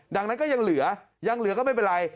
ดังนั้นก็ยังเหลือยังเหลือก็ไม่เป็นไร